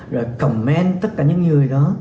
rồi comment tất cả những người đó